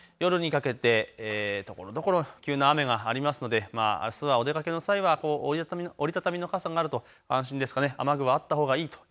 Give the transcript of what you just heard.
夜にかけて、ところどころ急な雨がありますので、あすはお出かけの際は折り畳みの傘があると安心ですかね。